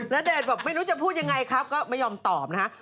ณเดชน์บอกไม่รู้จะพูดยังไงครับก็ไม่ยอมตอบนะฮะ